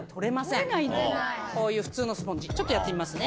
こういう普通のスポンジちょっとやってみますね。